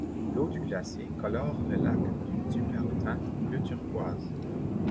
L'eau du glacier colore le lac d'une superbe teinte bleu-turquoise.